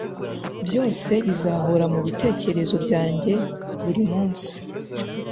byose bizahora mu bitekerezo byanjye buri munsi